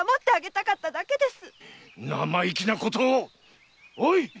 生意気なことをっ！